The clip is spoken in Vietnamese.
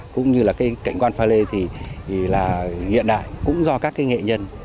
cũng như là cái cảnh quan pha lê thì là hiện đại cũng do các cái nghệ nhân